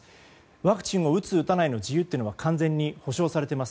ワクチンを打つ、打たないの自由は保証されています。